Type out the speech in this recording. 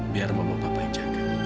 biar mama papa yang jaga